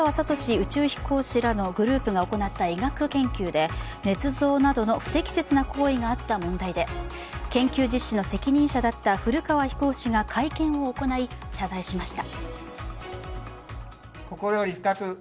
宇宙飛行士らのグループが行った医学研究でねつ造などの不適切な行為があった問題で研究実施の責任者だった古川飛行士が会見を行い謝罪しました。